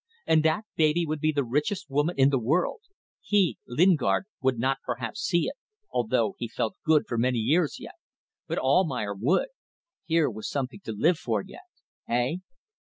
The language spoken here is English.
And that baby would be the richest woman in the world. He Lingard would not, perhaps, see it although he felt good for many years yet but Almayer would. Here was something to live for yet! Hey?